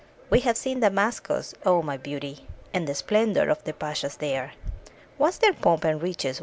We have seen Damascus, O my beauty! And the splendor of the Pashas there; What's their pomp and riches?